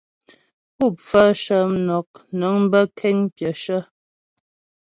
Pú pfaə shə mnɔk nəŋ bə́ kéŋ pyəshə.